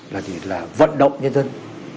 là gì là vận động nhân dân